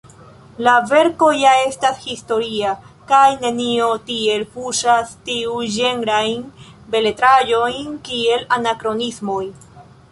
La verko ja estas historia, kaj nenio tiel fuŝas tiuĝenrajn beletraĵojn kiel anakronismoj.